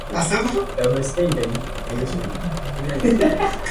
The jury found Tucker and his colleagues not guilty.